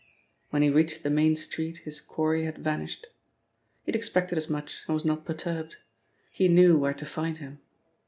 When he reached the main street his quarry had vanished. He had expected as much and was not perturbed. He knew where to find him.